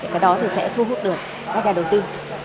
cái đó thì sẽ thu hút được các nhà đầu tư